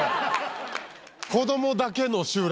子供だけの集落。